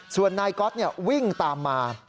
ส่วนนายก๊อตวิ่งตามมา